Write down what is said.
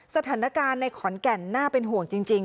สถานการณ์ในขอนแก่นน่าเป็นห่วงจริง